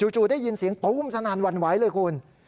จู่ได้ยินเสียงตู้มสนั่นหวั่นไหวเลยคุณ